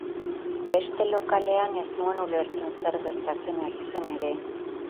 Beste lokalean ez nuen ulertzen zer gertatzen ari zen ere.